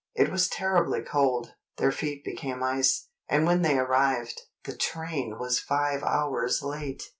It was terribly cold, their feet became ice. And when they arrived, the train was five hours late!